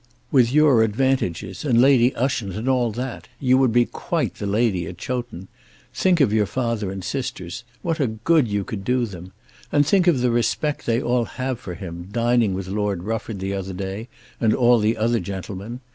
With your advantages, and Lady Ushant, and all that, you would be quite the lady at Chowton. Think of your father and sisters; what a good you could do them! And think of the respect they all have for him, dining with Lord Rufford the other day and all the other gentlemen.